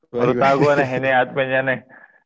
baru tahu gue nih ini advennya nih